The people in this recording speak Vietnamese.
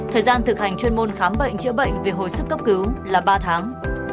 thời gian thực hành chuyên môn khám bệnh chữa bệnh về hồi sức cấp cứu là ba tháng